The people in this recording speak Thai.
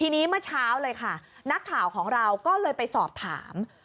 ทีนี้เมื่อเช้าเลยค่ะนักข่าวของเราก็เลยไปสอบถาม